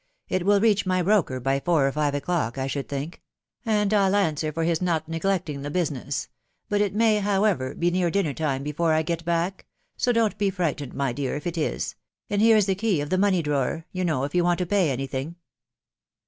... It will reach my broker by four or five o'clock, I should think ; and 111 answer for his not neglecting the business; but it may, however, be near dinner time before I get back — so don't be frightened, my dear, if it is ; and here is the key of the money drawer, you know, if you want to pay any thing."